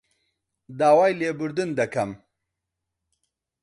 داوای لێبوردن دەکەم